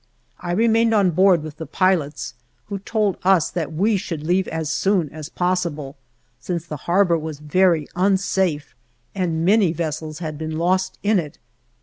I remained on board with the pilots, who told us that we should leave as soon as possible, since the harbor was very unsafe and many vessels had been lost in it.